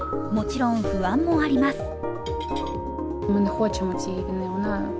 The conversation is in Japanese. もちろん不安もあります。